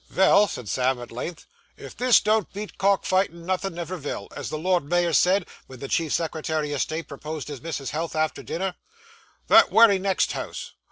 'Vell,' said Sam at length, 'if this don't beat cock fightin' nothin' never vill, as the lord mayor said, ven the chief secretary o' state proposed his missis's health arter dinner. That wery next house!